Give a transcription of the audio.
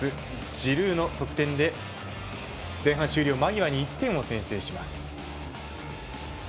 ジルーの得点で前半終了間際に１点を先制します。